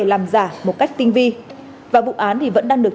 làm giả một cách tinh vi và vụ án thì vẫn đang được